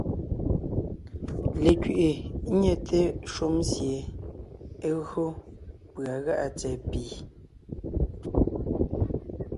Lekẅiʼi nyɛte shúm sie é gÿo pʉ̀a gá’a tsɛ̀ɛ pì,